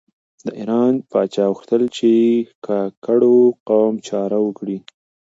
د ایران پاچا غوښتل چې د کاکړو قام چاره وکړي.